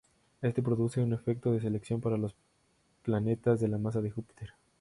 Esto produce un efecto de selección para los planetas de la masa de Júpiter.